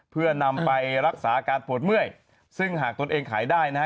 เพื่อนำไปรักษาอาการปวดเมื่อยซึ่งหากตนเองขายได้นะฮะ